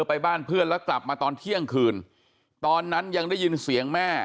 ไปบ้านเพื่อนแล้วกลับมาตอนเที่ยงคืนตอนนั้นยังได้ยินเสียงแม่